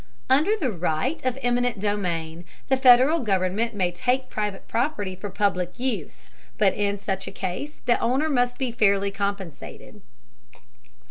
Under the right of eminent domain, the Federal government may take private property for public use, but in such a case the owner must be fairly compensated.